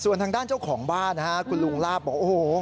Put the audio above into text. ส่วนทางด้านเจ้าของบ้านนะฮะคุณลุงลาบบอกโอ้โห